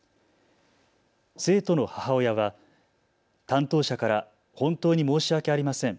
生徒の母親は担当者から本当に申し訳ありません。